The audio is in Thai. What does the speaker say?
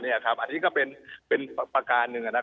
อันนี้ก็เป็นประการหนึ่ง